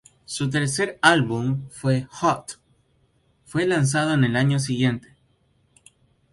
Su tercer álbum "Hot" fue lanzado el año siguiente.